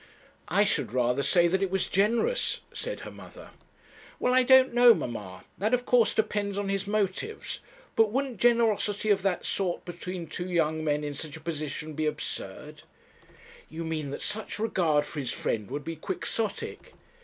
'I should rather say that it was generous,' said her mother. 'Well, I don't know, mamma; that of course depends on his motives; but wouldn't generosity of that sort between two young men in such a position be absurd?' 'You mean that such regard for his friend would be Quixotic.'